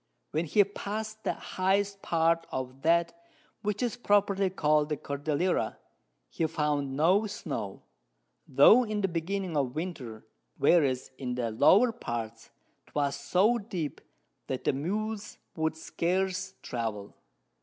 When he pass'd the highest Part of that which is properly call'd the Cordillera, he found no Snow, tho' in the beginning of Winter, whereas, in the lower Parts, 'twas so deep, that the Mules could scarce travel.